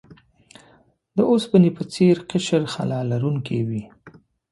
د اوسپنې په څیر قشر خلا لرونکی وي.